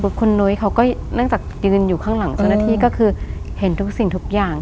คุณนุ้ยเขาก็เนื่องจากยืนอยู่ข้างหลังเจ้าหน้าที่ก็คือเห็นทุกสิ่งทุกอย่าง